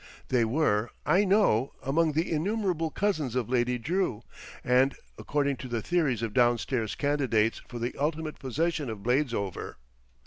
They were, I know, among the innumerable cousins of Lady Drew, and according to the theories of downstairs candidates for the ultimate possession of Bladesover.